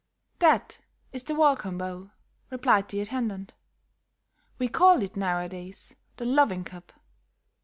"That is the welcome bowl," replied the attendant. "We call it, nowadays, the loving cup.